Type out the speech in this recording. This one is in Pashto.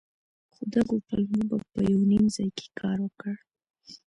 خو دغو پلمو به په يو نيم ځاى کښې کار وکړ.